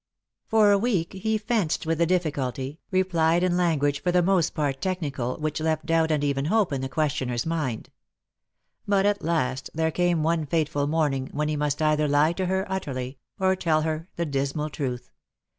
For a week he fenced with the difficulty, replied in language for the most part technical, which left doubt and even hope in the questioner's mind. But at last there came one fateful morning when he must either lie to her utterly, or tell her the dismal truth.